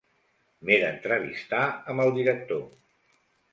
M'he d'entrevistar amb el director.